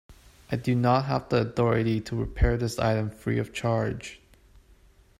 I do not have the authority to repair this item free of charge.